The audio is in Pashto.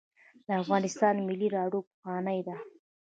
د افغانستان ملي راډیو پخوانۍ ده